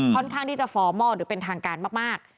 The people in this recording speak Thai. ค่อนข้างที่จะฟอร์มอลหรือเป็นทางการมาก